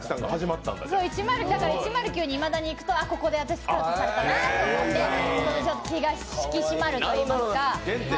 だから１０９にいまだに行くと、ここで私、スカウトされたなと思って気が引き締まるといいますか。